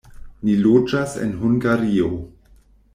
Ni loĝas en Hungario.